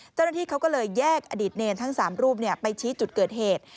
เจ้าหน้าที่เขาก็เลยแยกอดีตเนรทั้ง๓รูปไปชี้จุดเกิดเหตุ